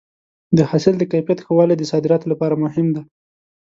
د حاصل د کیفیت ښه والی د صادراتو لپاره مهم دی.